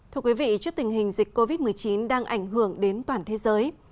thưa quý vị trước tình hình dịch covid một mươi chín đang ảnh hưởng đến toàn thế giới